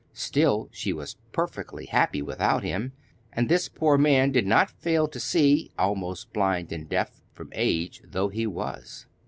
Still, she was perfectly happy without him, and this the poor man did not fail to see, almost blind and deaf from age though he was.